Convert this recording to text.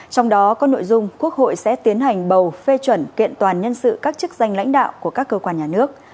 trong đó có nội dung quốc hội sẽ tiến hành bầu phê chuẩn kiện toàn nhân sự các chức danh lãnh đạo của các cơ quan nhà nước